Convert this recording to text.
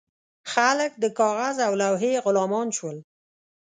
خلک د کاغذ او لوحې غلامان شول.